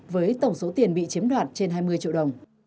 với tổng số tiền bị chiếm đoạt trên hai mươi triệu đồng